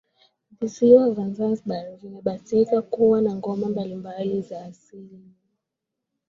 Visiwa vya zanzibar vimebahatika kuwa na ngoma mbali mbali za asili